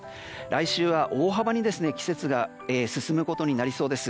来週は、大幅に季節が進むことになりそうです。